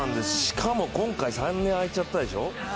しかも今回３年あいちゃったでしょ。